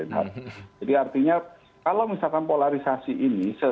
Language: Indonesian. jadi artinya kalau misalkan polarisasi ini